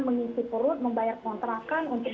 mengisi perut membayar kontrakan untuk